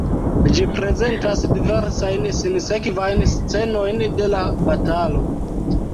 Ĝi prezentas diversajn sinsekvajn scenojn de la batalo.